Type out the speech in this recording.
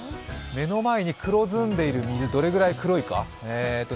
目の前に黒ずんでいる水、どれくらい黒いか？